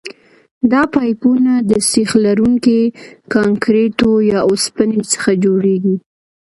دا پایپونه د سیخ لرونکي کانکریټو یا اوسپنې څخه جوړیږي